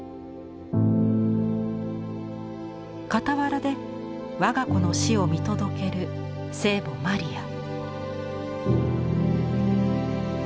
傍らで我が子の死を見届ける聖母マリア。